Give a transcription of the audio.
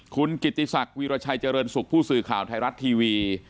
คุณกิติศักดิ์วีรชัยเจริญสุขผู้สื่อข่าวไทยรัฐทีวี